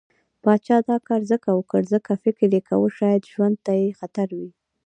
پاچا دا کار ځکه وکړ، ځکه فکر يې کوه شايد ژوند ته مې خطر وي.